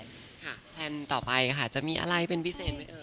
แพลนต่อไปค่ะจะมีอะไรเป็นพิเศษไหมเออ